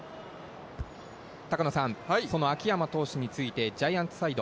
高野さん、その秋山投手についてジャイアンツサイド。